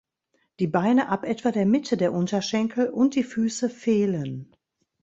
Die Beine ab etwa der Mitte der Unterschenkel und die Füße fehlen.